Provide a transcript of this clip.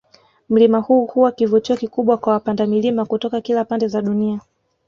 Mlima huu huwa kivutio kikubwa kwa wapanda milima kutoka kila pande za dunia